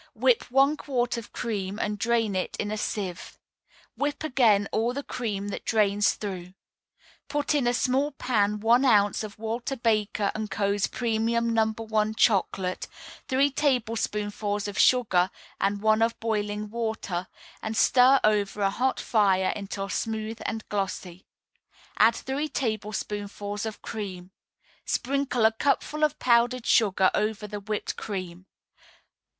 Whip one quart of cream, and drain it in a sieve. Whip again all the cream that drains through. Put in a small pan one ounce of Walter Baker & Co.'s Premium No. 1 Chocolate, three tablespoonfuls of sugar and one of boiling water, and stir over a hot fire until smooth and glossy. Add three tablespoonfuls of cream. Sprinkle a cupful of powdered sugar over the whipped cream.